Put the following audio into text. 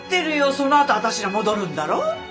そのあと私ら戻るんだろ？